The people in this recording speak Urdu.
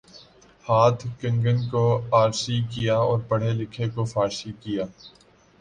ہاتھ کنگن کو آرسی کیا اور پڑھے لکھے کو فارسی کیا